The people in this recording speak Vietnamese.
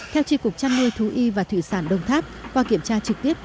theo tri cục trăn nuôi thú y và thủy sản đông tháp qua kiểm tra trực tiếp